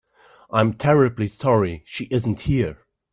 I'm terribly sorry she isn't here.